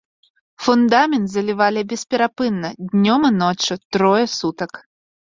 Фундамент залівалі бесперапынна, днём і ноччу, трое сутак.